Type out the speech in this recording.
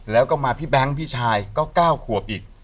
แล้วก็มาพี่แบงค์พี่ชายก็๙ขวบอีก